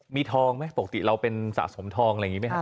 มีทองไหมปกติเราเป็นสะสมทองอะไรอย่างนี้ไหมครับ